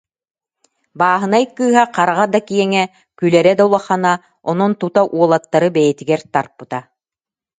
Бааһынай кыыһа хараҕа да киэҥэ, күлэрэ да улахана, онон тута уолаттары бэйэтигэр тарпыта